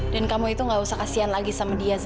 dan kamu itu gak usah kasihan lagi sama dia za